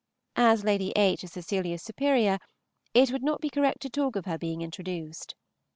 As Lady H. is Cecilia's superior, it would not be correct to talk of her being introduced.